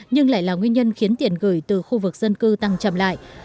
nhưng lại là nguyên nhân khiến tiền gửi từ khu vực dân cư tăng chậm lại